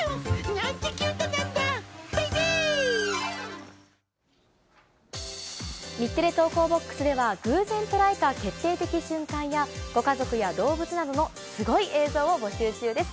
なんてキュートなんだ、ベイベー！日テレ投稿ボックスでは、偶然捉えた決定的瞬間や、ご家族や動物などのすごい映像を募集中です。